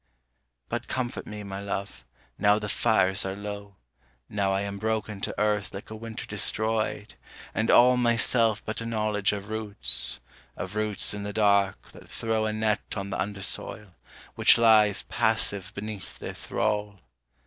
But comfort me, my love, now the fires are low, Now I am broken to earth like a winter destroyed, and all Myself but a knowledge of roots, of roots in the dark that throw A net on the undersoil, which lies passive beneath their thrall.